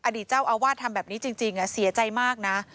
เจ้าอาวาสทำแบบนี้จริงเสียใจมากนะ